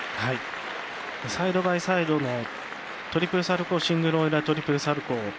サイドバイサイドのトリプルサルコーシングルオイラートリプルサルコー。